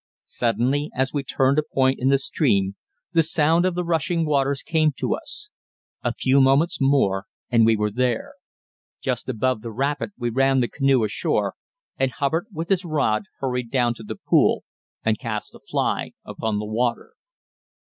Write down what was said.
Suddenly, as we turned a point in the stream, the sound of the rushing waters came to us. A few moments more and we were there. Just above the rapid we ran the canoe ashore, and Hubbard with his rod hurried down to the pool and cast a fly upon the water.